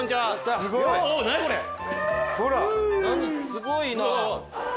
すごいな。